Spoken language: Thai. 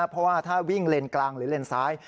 เพราะว่าถ้าวิ่งเลนกลางหรือเลนซ้าย